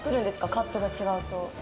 カットが違うと？